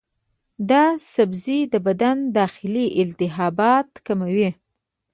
دا سبزی د بدن داخلي التهابات کموي.